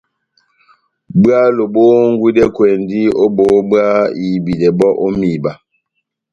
Bwálo bόhongwidɛkwɛndi ó bohó bwá ihibidɛ bɔ́ ó mihiba